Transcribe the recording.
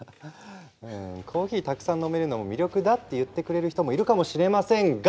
コーヒーたくさん飲めるのも魅力だって言ってくれる人もいるかもしれませんが！